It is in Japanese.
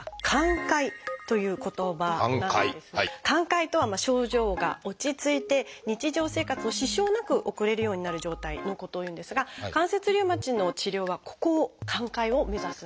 「寛解」とは症状が落ち着いて日常生活を支障なく送れるようになる状態のことをいうんですが関節リウマチの治療はここを寛解を目指すんですよね。